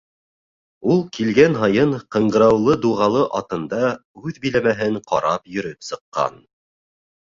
Ул килгән һайын ҡыңғыраулы дуғалы атында үҙ биләмәһен ҡарап йөрөп сыҡҡан.